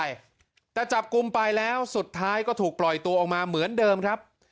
ไปแต่จับกลุ่มไปแล้วสุดท้ายก็ถูกปล่อยตัวออกมาเหมือนเดิมครับ